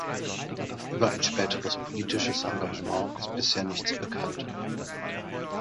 Über ein späteres politisches Engagement ist bisher nichts bekannt.